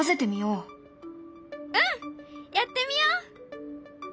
うんやってみよう！